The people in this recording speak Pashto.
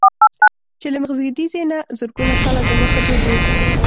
چې له مخزېږدي نه زرګونه کاله دمخه دود و.